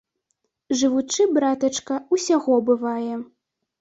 Жывучы, братачка, усяго бывае.